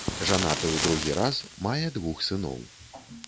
Жанаты ў другі раз, мае двух сыноў.